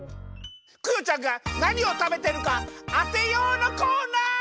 クヨちゃんがなにをたべてるかあてようのコーナー！